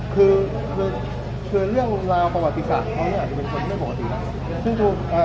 คือเรื่องราวประวัติศาสตร์เขามันเป็นคนไม่ปกตินะ